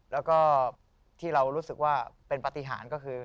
แล้วก็ที่เรารู้สึกว่าเป็นปฏิหารก็คือ